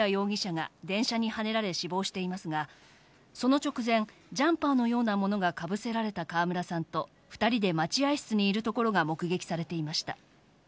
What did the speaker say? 現場では川村さんが以前交際していた南拓哉容疑者が電車にはねられ死亡していますが、その直前、ジャンパーのようなものがかぶせられた川村さんと２人で待合室にいるところが目撃されていました。